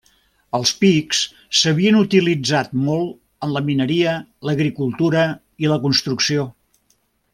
Els pics s'havien utilitzat molt en la mineria, l'agricultura i la construcció.